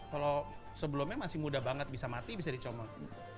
kalau sebelumnya masih muda banget bisa mati bisa dicomot